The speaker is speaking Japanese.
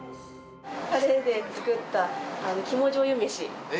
たれで作った肝じょうゆ飯。